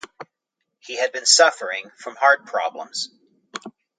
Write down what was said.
He had been suffering from heart problems.